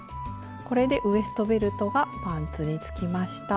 これでウエストベルトがパンツにつきました。